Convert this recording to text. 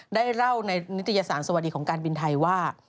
ได้เล่าในนิตยสารสวัสดีของการบินไทยว่า